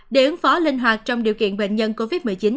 để ứng phó linh hoạt trong điều kiện bệnh nhân covid một mươi chín